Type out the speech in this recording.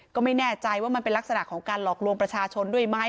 ก็ไม่แน่ใจว่ามันเป็นลักษณะของการหลอกลวงประชาชนด้วยไหม